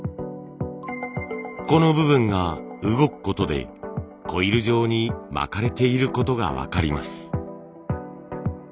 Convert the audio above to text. この部分が動くことでコイル状に巻かれていることが分かります。